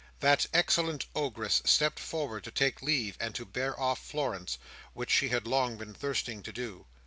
That excellent ogress stepped forward to take leave and to bear off Florence, which she had long been thirsting to do.